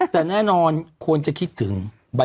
แต่แน่นอนควรจะคิดถึงใบ